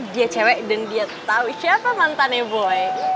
dia cewek dan dia tahu siapa mantannya boy